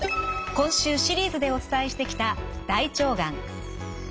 今週シリーズでお伝えしてきた大腸がん。